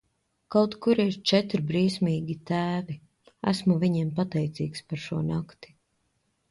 Kaut kur ir četri briesmīgi tēvi, esmu viņiem pateicīgs par šo nakti.